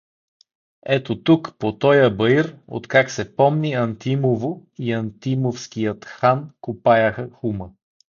Ето тук, по тоя баир, откак се помни Антимово и Антимовският хан, копаяха хума.